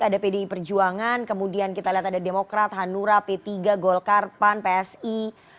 ada pdi perjuangan kemudian kita lihat ada demokrat hanura p tiga golkar pan psi